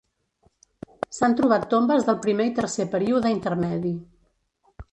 S'han trobat tombes del primer i tercer període intermedi.